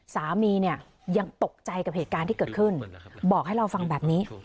สามีเนี่ยยังตกใจกับเหตุการณ์ที่เกิดขึ้นบอกให้เราฟังแบบนี้